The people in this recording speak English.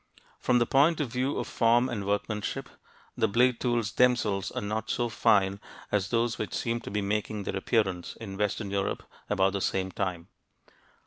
From the point of view of form and workmanship, the blade tools themselves are not so fine as those which seem to be making their appearance in western Europe about the same time.